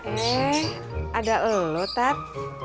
eh ada lu eden